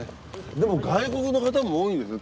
でも外国の方も多いんですよ